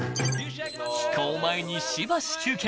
［飛行前にしばし休憩］